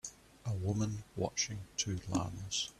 A woman watching two lamas.